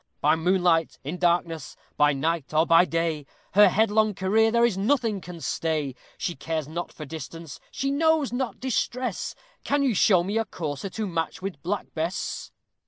By moonlight, in darkness, by night, or by day, Her headlong career there is nothing can stay; She cares not for distance, she knows not distress: Can you show me a courser to match with Black Bess?